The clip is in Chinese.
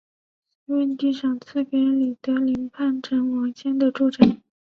隋文帝赏赐给李德林叛臣王谦的住宅。